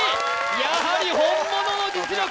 やはり本物の実力！